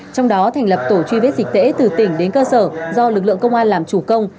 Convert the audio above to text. trong đó thành lập tổ truy vết dịch tễ từ tỉnh đến cơ sở do lực lượng công an làm chủ công